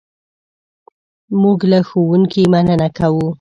موږ له ښوونکي مننه کوو.